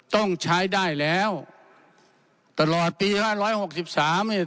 ต้องใช้ได้แล้วตลอดปีห้าร้อยหกสิบสามนี่